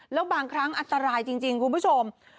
แล้วบางครั้งอันตรายจริงคุณผู้ชม